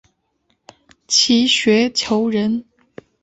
齐学裘人。